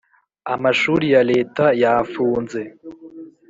amashuri ya Leta yafunze